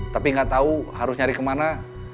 tapi enggak tahu harus nyari ke mana